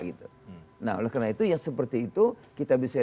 kalau karena itu ya seperti itu kita bisa